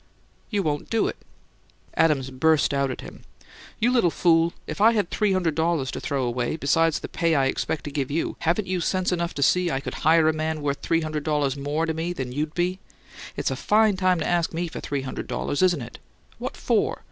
"You won't do it?" Adams burst out at him. "You little fool! If I had three hundred dollars to throw away, besides the pay I expected to give you, haven't you got sense enough to see I could hire a man worth three hundred dollars more to me than you'd be? It's a FINE time to ask me for three hundred dollars, isn't it! What FOR?